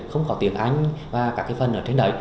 không có tiếng anh và các cái phần ở trên đấy